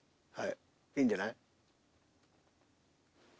いいんじゃない？